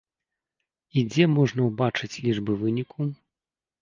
І дзе можна ўбачыць лічбы выніку?